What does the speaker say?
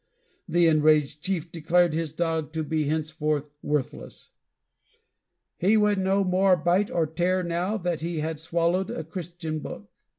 The enraged chief declared his dog to be henceforth worthless: "He would no more bite or tear, now that he had swallowed a Christian book."